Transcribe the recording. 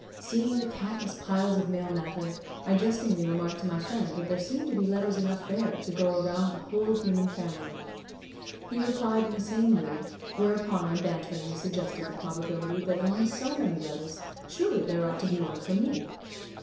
Seeing the countless piles of mail matter, I jestingly remarked to my friend that there seemed to be letters enough there to go around the whole human family. He replied in the same mood, whereupon I banteringly suggested the probability that among so many letters, surely there ought to be one for me.